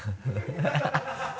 ハハハ